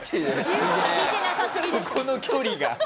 そこの距離が。